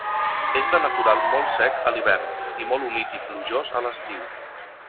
És de natural molt sec a l'hivern, i molt humit i plujós a l'estiu.